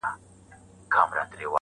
که به ډنډ ته د سېلۍ په زور رسېږم؛